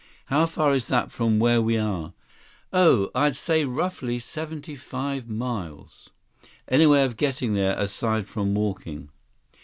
"How far is that from where we are?" "Oh, I'd say roughly seventy five miles." "Any way of getting there, aside from walking?"